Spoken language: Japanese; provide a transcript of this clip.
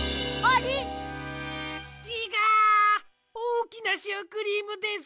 おおきなシュークリームです！